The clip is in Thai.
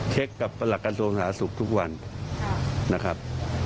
เช็คกับประหลักการทรวงสาหรัฐศุกร์ทุกวันนะครับ